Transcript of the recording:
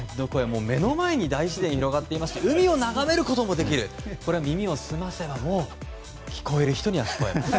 目の前に大自然が広がっていまして海を眺めることもできる耳をすませば聞こえる人には聞こえます。